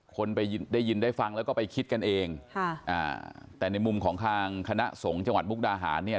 คนไปได้ยินได้ฟังแล้วก็ไปคิดกันเองค่ะอ่าแต่ในมุมของทางคณะสงฆ์จังหวัดมุกดาหารเนี่ย